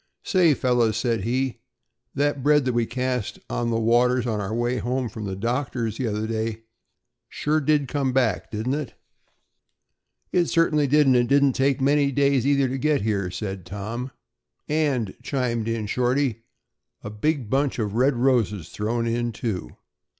"Say, fellows," said he, "that bread that we cast on the waters on our way home from the doctor's the other day sure did come back, didn't it?" "It certainly did and it didn't take 'many days' either to get here," said Tom. "And," chimed in Shorty, "a big bunch of red roses thrown in, too."